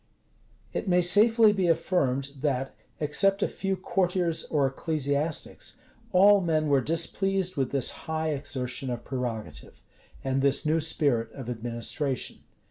It may safely be affirmed, that, except a few courtiers or ecclesiastics, all men were displeased with this high exertion of prerogative, and this new spirit of administration.